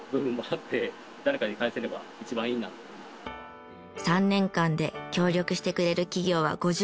３年間で協力してくれる企業は５０を超えました。